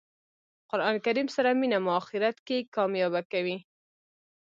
قران کریم سره مینه مو آخرت کښي کامیابه کوي.